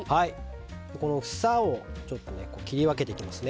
房を切り分けていきますね。